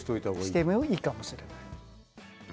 してもいいかもしれない。